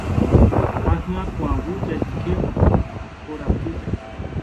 ha hyakuãvu jaikévo korapýpe